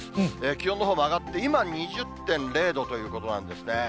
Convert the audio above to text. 気温のほうも上がって、今、２０．０度ということなんですね。